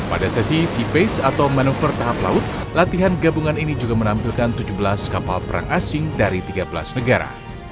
pada sesi seapace atau manuver tahap laut latihan gabungan ini juga menampilkan tujuh belas kapal perang asing dari tiga belas negara